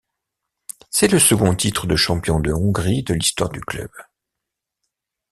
C'est le second titre de champion de Hongrie de l'histoire du club.